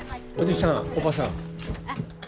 おじさんおばさん。